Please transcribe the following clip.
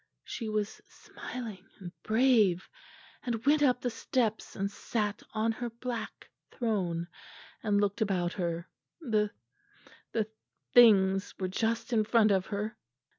She was smiling and brave, and went up the steps and sat on her black throne and looked about her. The the things were just in front of her.